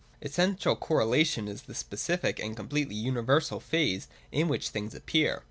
Essential correlation is the specific and completely uni versal phase in which things appear.